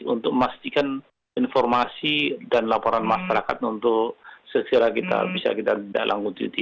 untuk memastikan informasi dan laporan masyarakat untuk sesekara kita bisa kita langsung dititi